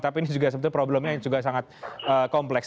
tapi ini juga sebetulnya problemnya juga sangat kompleks